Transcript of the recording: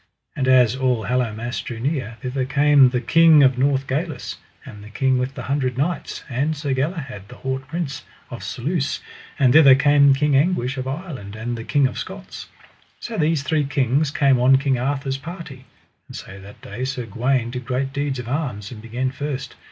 And as All Hallowmass drew near, thither came the King of Northgalis, and the King with the Hundred Knights, and Sir Galahad, the haut prince, of Surluse, and thither came King Anguish of Ireland, and the King of Scots. So these three kings came on King Arthur's party. And so that day Sir Gawaine did great deeds of arms, and began first.